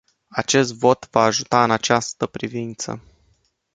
Acest vot va ajuta în această privință.